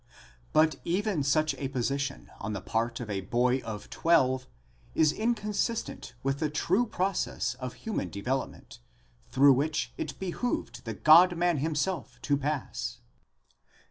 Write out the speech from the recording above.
® But even such a position on the part of a boy of twelve, is inconsistent with the true process of human development, through which it behoved the God Man himself to pass.